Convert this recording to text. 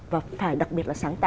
và phải đặc biệt là sáng tạo